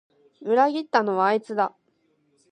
裏切ったのはあいつだ